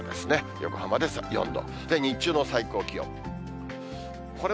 横浜で３、４度。